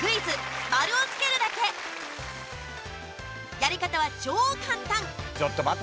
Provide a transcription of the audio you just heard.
やり方は超簡単。